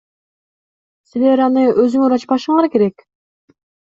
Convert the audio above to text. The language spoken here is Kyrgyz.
Силер аны өзүңөр ачпашыңар керек.